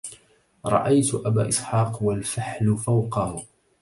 رأيت أبا إسحاق والفحل فوقه